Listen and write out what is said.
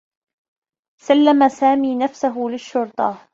سلّم سامي نفسه للشّرطة.